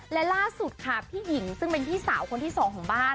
และล่าสุดค่ะพี่หญิงซึ่งเป็นพี่สาวคนที่สองของบ้าน